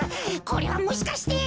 これはもしかして！